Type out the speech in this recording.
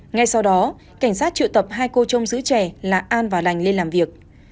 ngay sau đó cảnh sát triệu tập hai cô trông giữ trẻ là an và lành lên làm việc